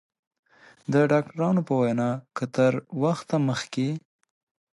د ډاکترانو په وینا که تر وخته مخکې